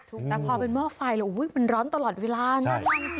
แต่พอเป็นหม้อไฟแล้วมันร้อนตลอดเวลาน่ารักจริง